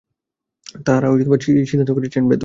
তাঁহারা তাই সিদ্ধান্ত করিয়াছেন, বেদ অনাদি অনন্ত।